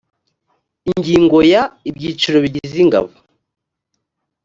ingingo ya…: ibyiciro bigize ingabo